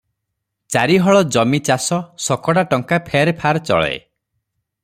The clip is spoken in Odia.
ଚାରି ହଳ ଜମି ଚାଷ, ଶକଡ଼ା ଟଙ୍କା ଫେର ଫାର ଚଳେ ।